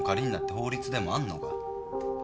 法律でもあんのか？